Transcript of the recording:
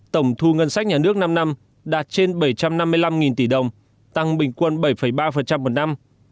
tổng thu ngân sách nhà nước năm năm đạt trên bảy trăm năm mươi năm tỷ đồng tăng bình quân bảy ba một năm